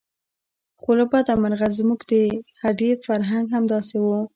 خو له بده مرغه زموږ د هډې فرهنګ همداسې و.